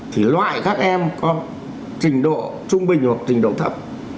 thì loại các em có trình độ trung bình hoặc trình độ thấp